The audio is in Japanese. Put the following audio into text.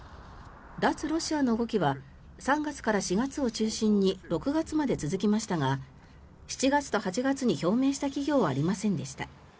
脱ロシアの動きは３月から４月を中心に６月まで続きましたが７月と８月に表明した企業はありませんでした。